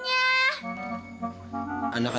nanti aku mau ke rumah